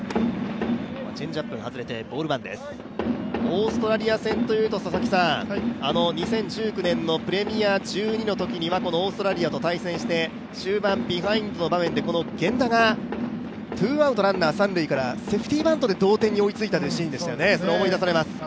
オーストラリア戦というと佐々木さん、２０１９年のプレミア１２のときに、このオーストラリアと対戦をして終盤、ビハインドの場面でこの源田がツーアウト、ランナー三塁からセーフティバントで同点に追いついたというシーン、思い出されます。